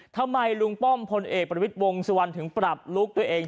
ทำไมลุงป้อมพลเอกประวิทย์วงสุวรรณถึงปรับลุคตัวเอง